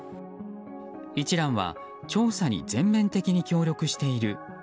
一蘭は調査に全面的に協力している。